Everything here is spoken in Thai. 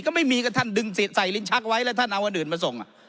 ก็ไม่มีก็ท่านดึงใส่ลิ้นชักไว้แล้วท่านเอาอันอื่นมาส่ง